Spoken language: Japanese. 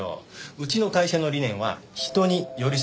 うちの会社の理念は「人に寄り添う」です。